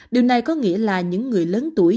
điều này có nghĩa là những người lớn tuổi